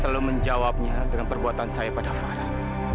saya belum menjawabnya dengan perbuatan saya pada farah